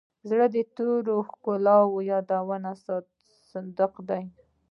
زړه د تېرو ښکلو یادونو صندوق دی.